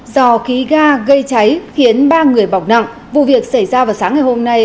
do khí ga gây cháy khiến ba người bỏng nặng vụ việc xảy ra vào sáng ngày hôm nay